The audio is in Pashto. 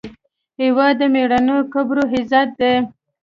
هېواد د میړنیو قبرو عزت دی.